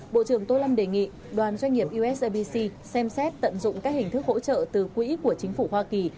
bộ trưởng tô lâm đề nghị đoàn doanh nghiệp usibc xem xét tận dụng các hình thức hỗ trợ từ quỹ của chính phủ hoa kỳ